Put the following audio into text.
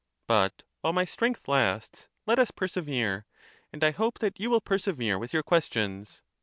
But while my strength lasts let us persevere, and I hope that you will persevere with your questions.